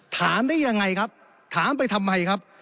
ถามได้ยังไงครับถามไปทำไมครับ